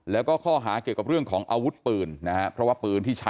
แล้วก็ข้อหาเกี่ยวกับเรื่องของอาวุธปืน